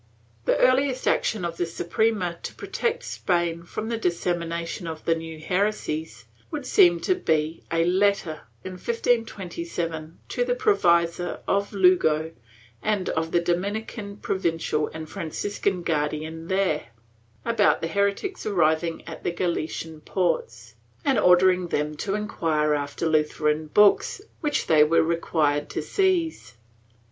The earhest action of the Suprema to protect Spain from the dissemination of the new heresies would seem to be a letter, in 1527, to the provisor of Lugo and to the Dominican provincial and Franciscan guardian there, about the heretics arriving at the Galician ports, and ordering them to enquire after Lutheran books, which they were required to seize.